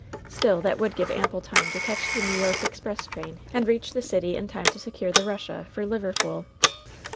Still that would give ample time to catch the New York express train, and reach the city in time to secure the Buss a for Liverpool."